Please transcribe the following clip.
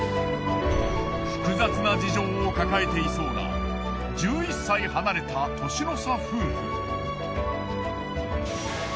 複雑な事情を抱えていそうな１１歳離れた年の差夫婦。